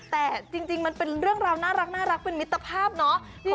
แต่จริงมันเป็นเรื่องราวน่ารักเป็นมิตรภาพเนาะ